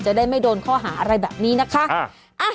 ได้ไม่โดนข้อหาอะไรแบบนี้นะคะ